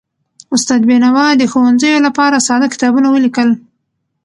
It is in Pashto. استاد بینوا د ښوونځیو لپاره ساده کتابونه ولیکل.